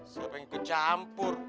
siapa yang ikut campur